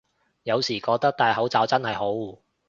有時覺得戴口罩真係好